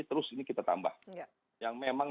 terus ini kita tambah yang memang